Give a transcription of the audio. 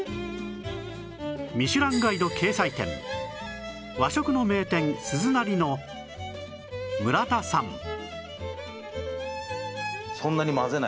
『ミシュランガイド』掲載店和食の名店鈴なりの村田さん